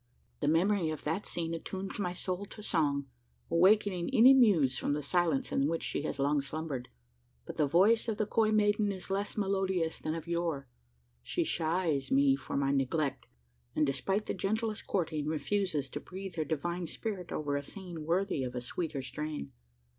The memory of that scene attunes my soul to song, awaking any muse from the silence in which she has long slumbered. But the voice of the coy maiden is less melodious than of yore: she shies me for my neglect: and despite the gentlest courting, refusing to breathe her divine spirit over a scene worthy of a sweeter strain.